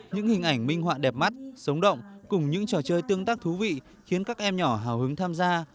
những hình ảnh minh họa đẹp mắt sống động cùng những trò chơi tương tác thú vị khiến các em nhỏ hào hứng tham gia